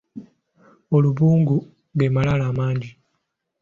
Olubungu ge malaalo amangi.